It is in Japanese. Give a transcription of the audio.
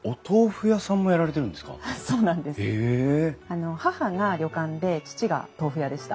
あの母が旅館で父が豆腐屋でした。